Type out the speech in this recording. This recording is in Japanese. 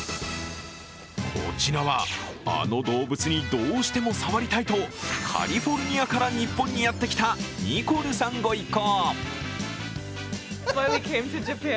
こちらは、あの動物にどうしても触りたいとカリフォルニアから日本にやってきたニコルさんご一行。